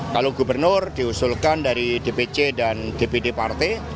kalau gubernur diusulkan dari dpc dan dpd partai